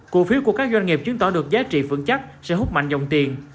cổ phiếu của các doanh nghiệp chứng tỏ được giá trị vững chắc sẽ hút mạnh dòng tiền